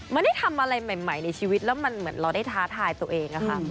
ไม่ได้ทำอะไรใหม่ในชีวิตแล้วมันเหมือนเราได้ท้าทายตัวเองค่ะ